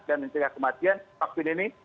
mencegah kematian vaksin ini